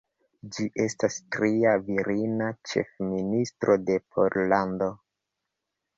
Ŝi estas tria virina ĉefministro de Pollando.